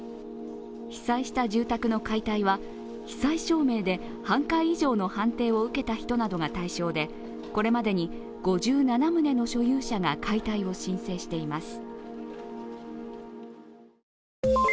被災した住宅の解体は被災証明で半壊以上の判定を受けた人が対象で、これまでに５７棟の所有者が解体を申請しています。